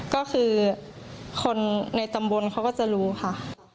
ก็คือคนในตำบลเขาก็จะรู้ค่ะ